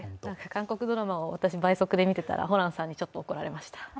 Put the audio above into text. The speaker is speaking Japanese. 韓国ドラマを私、倍速で見ていたら、ホランさんにちょっと怒られました。